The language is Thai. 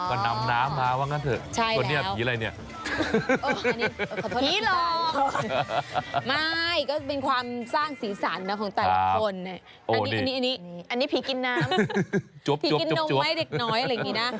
ก็นำน้ำมาว่างั้นเถอะคนนี้ผีอะไรเนี่ยผีหลอกไม่ก็เป็นความสร้างสีสันนะของแต่ละคนอันนี้ผีกินน้ำผีกินนมไหมเด็กน้อยอะไรอย่างนี้นะ